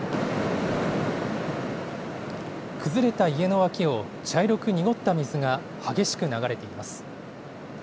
崩れた家の脇を茶色く濁った水が激しく流れています。